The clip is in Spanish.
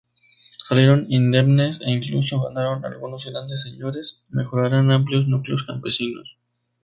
Salieron indemnes e incluso ganaron algunos grandes señores; mejoraran amplios núcleos campesinos.